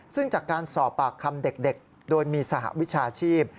ซึ่งจากการสอบปากคำเด็กโดยมีสหวิชาชีพ